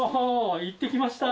行ってきました！